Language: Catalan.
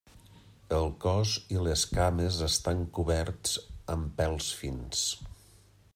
El cos i les cames estan coberts amb pèls fins.